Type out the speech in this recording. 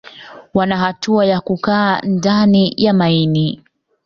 Wana hatua ya kukaa ndani ya maini